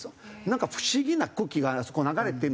なんか不思議な空気があそこ流れてるんですよ。